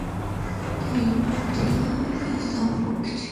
Their tail is unforked.